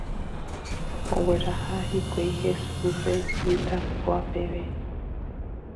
Ogueraha hikuái Hesúpe itakua peve